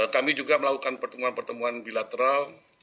kami juga melakukan pertemuan pertemuan bilateral